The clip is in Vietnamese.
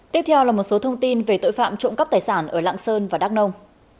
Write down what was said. tiếp theo là một số thông tin về tội phạm trộm cắp tài sản ở lạng sơn và đắk nông